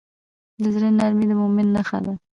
د زړه نرمي د مؤمن نښه ده.